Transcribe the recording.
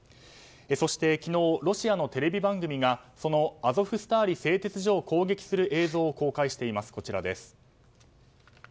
そして昨日ロシアのテレビ番組がそのアゾフスターリ製鉄所を攻撃する映像を公開しています。